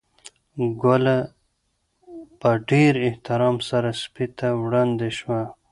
ګوله په ډېر احترام سره سپي ته وړاندې شوه.